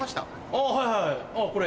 あぁはいはいこれ？